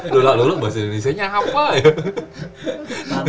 lulak lulung bahasa indonesia nya apa ya